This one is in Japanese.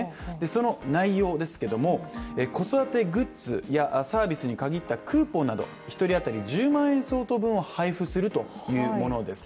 その内容ですけれども、子育てグッズやサービスに限ったクーポンなど、１人当たり１０万円相当分を配布するというものです。